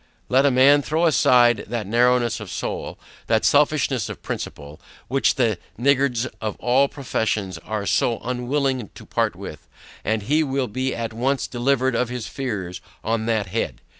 Let a man throw aside that narrowness of soul, that selfishness of principle, which the niggards of all professions are so unwilling to part with, and he will be at once delivered of his fears on that head.